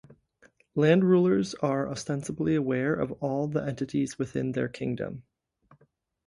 Land rulers are ostensibly aware of all of the entities within their kingdom.